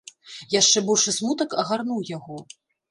Яшчэ большы смутак агарнуў яго.